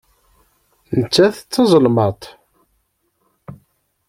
Nettat d tazelmaḍt.